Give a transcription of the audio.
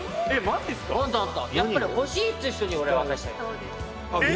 「やっぱり欲しいっていう人に俺は渡したい」